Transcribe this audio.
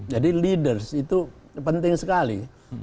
leaders itu penting sekali